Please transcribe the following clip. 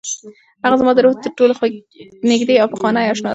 هغه زما د روح تر ټولو نږدې او پخوانۍ اشنا ده.